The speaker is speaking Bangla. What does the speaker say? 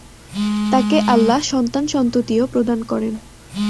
তাঁকে আল্লাহ সন্তান-সন্ততিও প্রদান করেন।